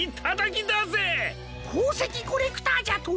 ほうせきコレクターじゃと！